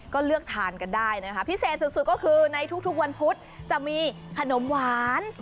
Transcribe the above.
ก็เลือกทานกันได้นะคะพิเศษสุดก็คือในทุกวันพุธจะมีขนมหวาน